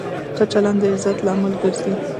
ښه چلند د عزت لامل ګرځي.